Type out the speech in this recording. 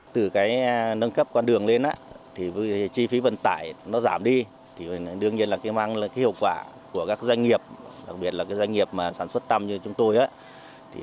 từ nâng cấp qua đường lên thì chi phí vận tải giảm đi đương nhiên là mang lại hiệu quả của các doanh nghiệp đặc biệt là doanh nghiệp sản xuất tăm như chúng tôi